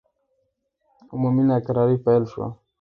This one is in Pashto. عمومي ناکراري پیل شوه.